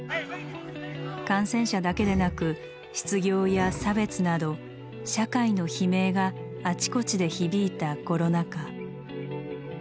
感染者だけでなく失業や差別など社会の「悲鳴」があちこちで響いたコロナ禍。